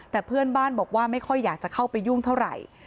แต่เพื่อนบ้านบอกว่าไม่ค่อยอยากจะเข้าไปยุ่งเท่าไหร่